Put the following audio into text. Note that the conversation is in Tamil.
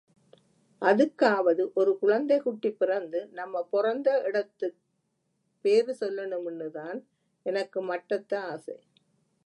அதுக்காவது ஒரு குழந்தை குட்டி பிறந்து நம்ம பொறந்த எடத்துப் பேரு சொல்லணுன்னுதான் எனக்கு மட்டத்த ஆசை.